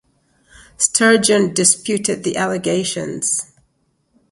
Sturgeon disputed the allegations.